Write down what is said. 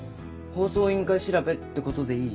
放送委員会調べってことでいい？